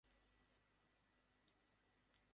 টাকাটা রেখে দাও।